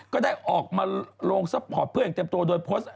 ก็ได้ออกมาลงซัพพอร์ตเพื่ออย่างเต็มตัวโดยโพสต์